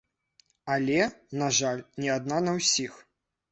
Але, на жаль, не адна на ўсіх.